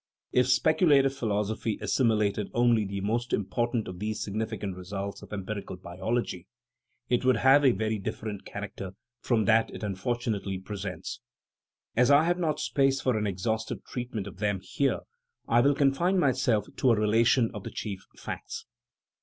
If speculative philosophy assimilated only the most important of these signif icant results of empirical biology, it would have a very different character from that it unfortunately presents. As I have not space for an exhaustive treatment of them here, I will confine myself to a relation of the chief facts.